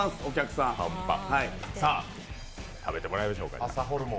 さあ、食べてもらいましょうか、朝ホルモン。